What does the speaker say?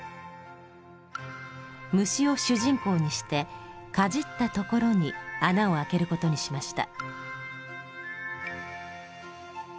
虫を主人公にしてかじったところに穴をあけることにしました。